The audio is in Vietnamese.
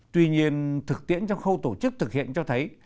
tuy nhiên thực tiễn trong khâu tổ chức thực hiện cho thấy